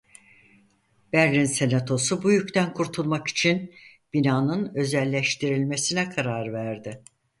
Berlin senatosu bu yük'den kurtulmak için bina'nın özelleştirilmesine karar verdi.